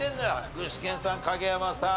具志堅さん影山さん